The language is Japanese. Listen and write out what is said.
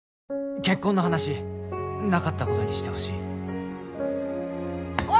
結婚の話なかったことにしてほしいおい